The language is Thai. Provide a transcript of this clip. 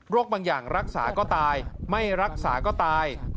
บางอย่างรักษาก็ตายไม่รักษาก็ตาย